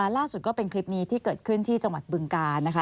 ก็เป็นคลิปนี้ที่เกิดขึ้นที่จังหวัดบึงการนะคะ